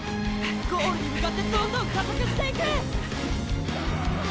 ゴールに向かってどんどん加速していく！！